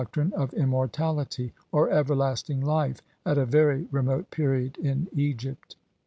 trine of immortality, or everlasting life, at a very re mote period in Egypt.